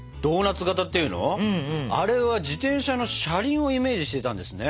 あれは自転車の車輪をイメージしてたんですね。